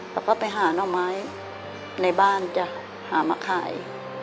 แล้วก็ไปหาหน่อไม้ในบ้านจะหามาขาย